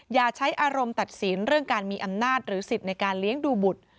อย่าใช้อารมณ์ตัดสินเรื่องการมีอำนาจหรือสิทธิ์ในการเลี้ยงดูบุตร